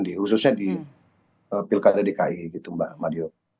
khususnya di pilkada dki gitu mbak mario